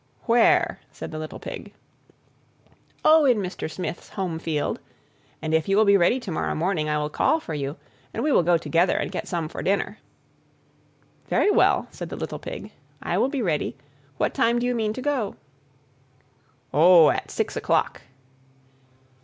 "Where?" said the little Pig. "Oh, in Mr. Smith's home field; and if you will be ready to morrow morning, I will call for you, and we will go together and get some for dinner." "Very well," said the little Pig, "I will be ready. What time do you mean to go?" "Oh, at six o'clock."